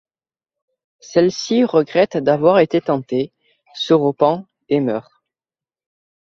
Celle-ci regrette d'avoir été tentée, se repent et meurt.